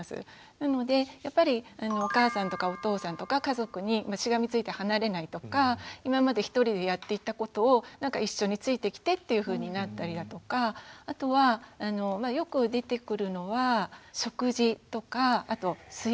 なのでやっぱりお母さんとかお父さんとか家族にしがみついて離れないとか今まで一人でやっていたことをなんか一緒についてきてっていうふうになったりだとかあとはよく出てくるのは食事とかあと睡眠ですね。